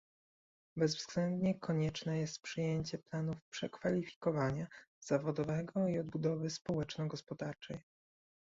Bezwzględnie konieczne jest przyjęcie planów przekwalifikowania zawodowego i odbudowy społeczno-gospodarczej